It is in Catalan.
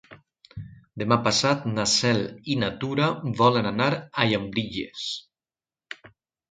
Demà passat na Cel i na Tura volen anar a Llambilles.